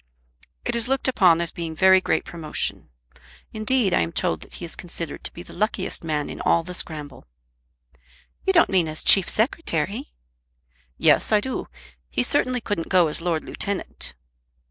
"It is looked upon as being very great promotion. Indeed I am told that he is considered to be the luckiest man in all the scramble." "You don't mean as Chief Secretary?" "Yes, I do. He certainly couldn't go as Lord Lieutenant."